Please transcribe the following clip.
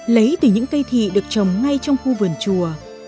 lấy từ những cây thị được trồng ngay trong khu vườn chùa